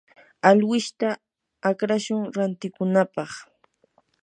alwishta akrashun rantikunapaq.